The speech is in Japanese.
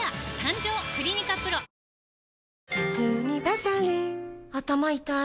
頭痛にバファリン頭痛い